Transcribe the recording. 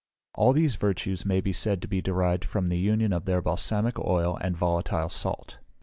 All these virtues may be said to be derived from the union of their balsamic oil and volatile salt.